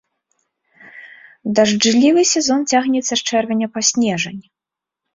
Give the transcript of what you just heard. Дажджлівы сезон цягнецца з чэрвеня па снежань.